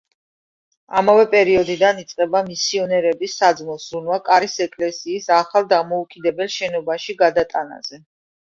ამავე პერიოდიდან იწყება მისიონერების საძმოს ზრუნვა კარის ეკლესიის ახალ დამოუკიდებელ შენობაში გადატანაზე.